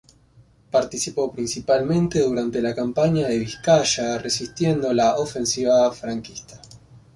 Participó principalmente durante la campaña de Vizcaya, resistiendo la ofensiva franquista.